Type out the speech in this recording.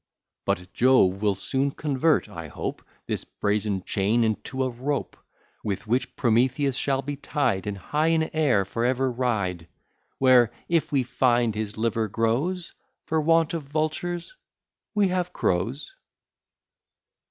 But Jove will soon convert, I hope, This brazen chain into a rope; With which Prometheus shall be tied, And high in air for ever ride; Where, if we find his liver grows, For want of vultures, we have crows.